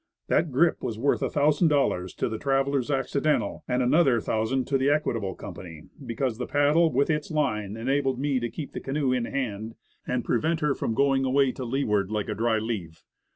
That grip was worth a thousand dollars to the "Travelers Accidental;" and another thousand to the "Equitable Company," because the paddle, with its line, enabled me to keep the canoe in hand, and prevent her from going away to leeward like a dry leaf.